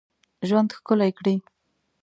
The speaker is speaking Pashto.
ژوند ښکلی کړی.